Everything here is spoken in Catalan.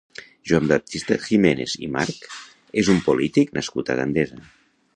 Joan Baptista Giménez i March és un polític nascut a Gandesa.